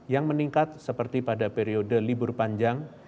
yang meningkat seperti pada periode libur panjang